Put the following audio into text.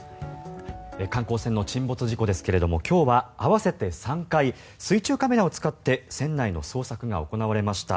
観光船の沈没事故ですが今日は合わせて３回水中カメラを使って船内の捜索が行われました。